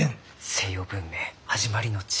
西洋文明始まりの地。